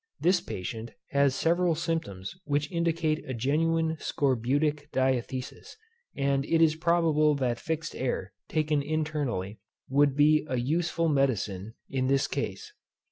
This patient has several symptoms which indicate a genuine scorbutic DIATHESIS; and it is probable that fixed air, taken internally, would be an useful medicine in this case.